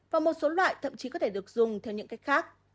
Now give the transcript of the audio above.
và một số loại thậm chí có thể được dùng theo những cách khác